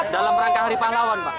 dalam rangka hari pahlawan pak